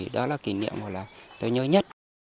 đó là kỷ niệm mà tôi nhớ nhất